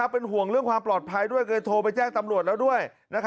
เป็นห่วงเรื่องความปลอดภัยด้วยเคยโทรไปแจ้งตำรวจแล้วด้วย